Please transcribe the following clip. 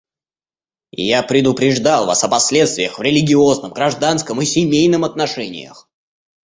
Я предупреждал вас о последствиях в религиозном, гражданском и семейном отношениях.